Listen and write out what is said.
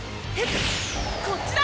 こっちだ！